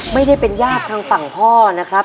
ไม่ได้เป็นญาติทางฝั่งพ่อนะครับ